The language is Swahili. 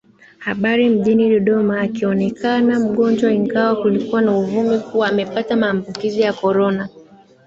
habari mjini Dodoma akionekana mgonjwaIngawa kulikuwa na uvumi kuwa amepata maambukizi ya Corona